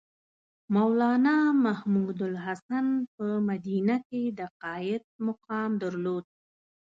مولنا محمودالحسن په مدینه کې د قاید مقام درلود.